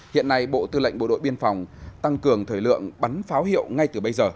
hiện nay bộ tư lệnh bộ đội biên phòng tăng cường thời lượng bắn pháo hiệu ngay từ bây giờ